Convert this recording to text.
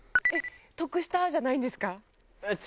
「得した！」じゃないんですか？